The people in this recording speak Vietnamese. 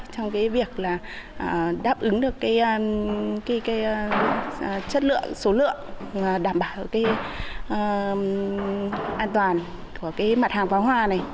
trong việc đáp ứng được chất lượng số lượng đảm bảo an toàn của mặt hàng pháo hoa này